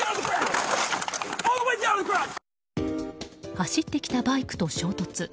走ってきたバイクと衝突。